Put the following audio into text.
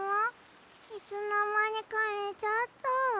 いつのまにかねちゃった。